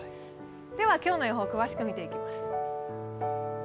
今日の予報を詳しく見ていきます。